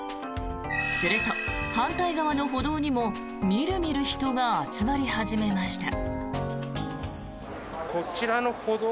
すると、反対側の歩道にもみるみる人が集まり始めました。